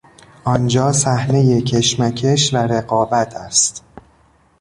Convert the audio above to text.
آنجا صحنهی کشمکش و رقابت است!